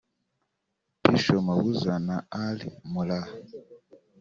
Pitsho Mabuza na Ar Mulah